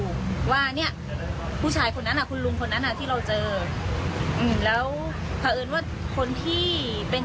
เขาเป็น